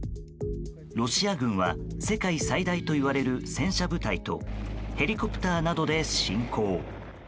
ロシア軍は世界最大といわれる戦車部隊とヘリコプターなどで侵攻。